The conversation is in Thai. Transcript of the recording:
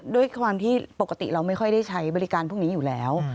ด้วยความที่ปกติเราไม่ค่อยได้ใช้บริการพวกนี้อยู่แล้ว